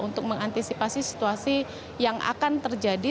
untuk mengantisipasi situasi yang akan terjadi